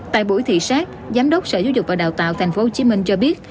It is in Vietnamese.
tại buổi thị xác giám đốc sở giáo dục và đào tạo tp hcm cho biết